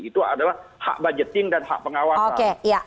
itu adalah hak budgeting dan hak pengawasan